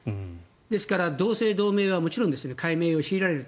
ですから、同姓同名はもちろん改名を強いられると。